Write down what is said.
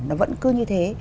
nó vẫn cứ như thế